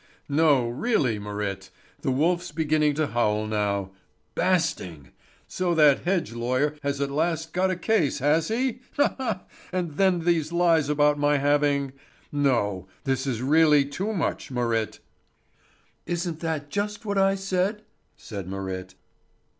"No, really, Marit! The wolf's beginning to howl now. Basting! So that hedge lawyer has at last got a case, has he? Ha, ha! And then these lies about my having No, this is really too much, Marit!" "Isn't that just what I said?" said Marit.